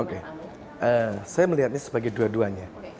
oke saya melihat ini sebagai dua duanya